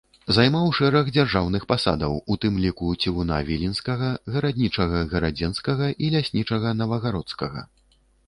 Займаў шэраг дзяржаўных пасадаў, у тым ліку цівуна віленскага, гараднічага гарадзенскага і ляснічага новагародскага.